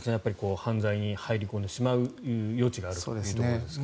犯罪に入り込んでしまう余地があるというところですかね。